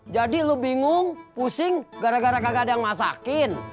jadi lo bingung pusing gara gara kakak ada yang masakin